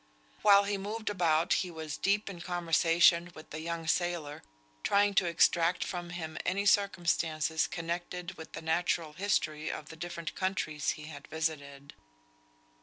While he moved about he was deep in conversation with the young sailor, trying to extract from him any circumstances connected with the natural history of the different countries he had visited.